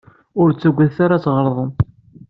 Ur ttagadet ara ad tɣelḍem.